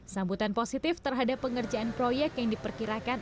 sambutan positif terhadap pengerjaan proyek yang diperkirakan